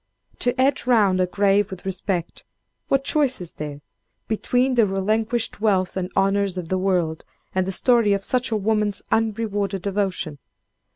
To hedge round a grave with respect, what choice is there, between the relinquished wealth and honors of the world, and the story of such a woman's unrewarded devotion!